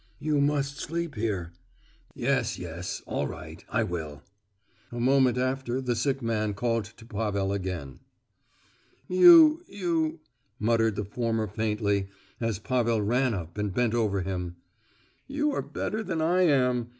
"You must sleep here." "Yes, yes—all right. I will." A moment after the sick man called to Pavel again. "You—you—" muttered the former faintly, as Pavel ran up and bent over him, "you are better than I am.